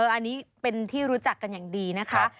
อันนี้เป็นที่รู้จักกันอย่างดีนะคะ